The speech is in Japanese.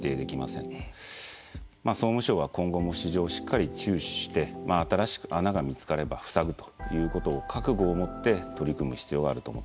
総務省は今後も市場をしっかり注視して新しく穴が見つかれば塞ぐということを覚悟を持って取り組む必要があると思っています。